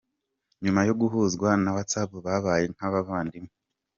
Nyuma yo guhuzwa na Whatsapp babaye nk'abavandimwe.